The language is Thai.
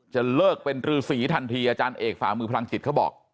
จะเลิกเป็นรือสีทันทีอาจารย์เอกฝ่ามือพลังจิตเขาบอก